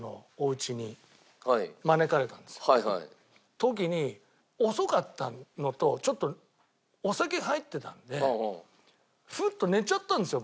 時に遅かったのとちょっとお酒入ってたのでふっと寝ちゃったんですよ